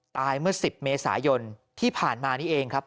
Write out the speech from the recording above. เมื่อ๑๐เมษายนที่ผ่านมานี่เองครับ